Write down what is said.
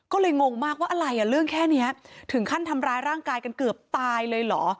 ก็เลยงงมากว่าอะไรอ่ะเรื่องแค่นี้ถึงขั้นทำร้ายร่างกายกันเกือบตายเลยเหรอ